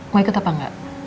mau ikut apa enggak